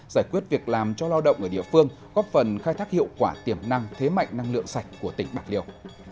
giải quyết việc làm cho lao động ở địa phương góp phần khai thác hiệu quả tiềm năng thế mạnh năng lượng sạch của tỉnh bạc liêu